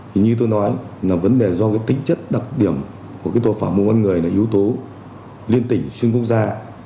thì như tôi nói là vấn đề do cái tính chất đặc điểm của tội phạm mua bán người là yếu tố liên tỉnh xuyên quốc gia